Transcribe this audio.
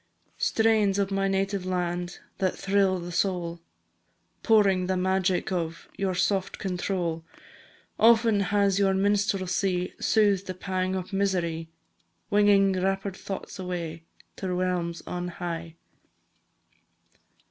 Strains of my native land, That thrill the soul, Pouring the magic of Your soft control! Often has your minstrelsy Soothed the pang of misery, Winging rapid thoughts away To realms on high.